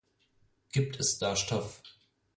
Gibt es da Stoff?